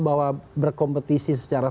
bahwa berkompetisi secara